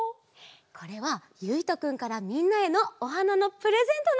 これはゆいとくんからみんなへのおはなのプレゼントなんだって。